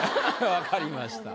わかりました。